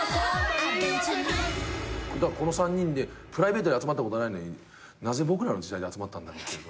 この３人でプライベートで集まったことないのになぜ『ボクらの時代』で集まったんだろう。